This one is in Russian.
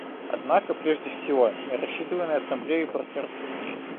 Однако, прежде всего, я рассчитываю на Ассамблею и партнерство с ней.